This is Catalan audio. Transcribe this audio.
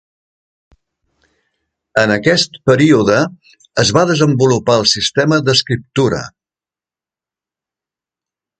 En aquest període, es va desenvolupar el sistema d'escriptura.